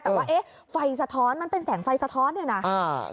แต่ว่าไฟสะท้อนมันเป็นแสงไฟสะท้อน